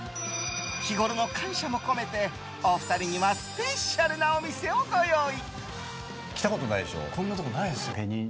日ごろの感謝も込めてお二人にはスペシャルなお店をご用意！